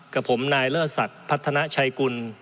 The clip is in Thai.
กับผมนายเลิศศักดิ์พัฒนาชัยกุล